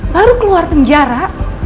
baru keluar penjara